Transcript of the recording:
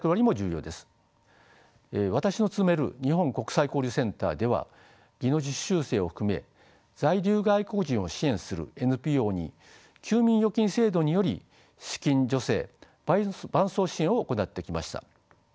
私の勤める日本国際交流センターでは技能実習生を含め在留外国人を支援するＮＰＯに休眠預金制度により資金助成伴走支援を行ってきました。